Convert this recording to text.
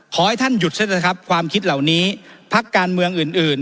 ขอให้ท่านหยุดซะเถอะครับความคิดเหล่านี้พักการเมืองอื่น